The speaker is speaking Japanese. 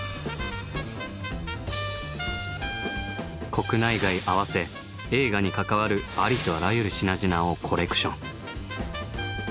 国内外合わせ映画に関わるありとあらゆる品々をコレクション。